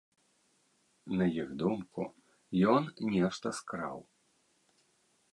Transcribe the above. На іх думку, ён нешта скраў.